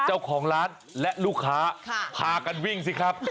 เจ้าของร้านและลูกค้าพากันวิ่งสิครับ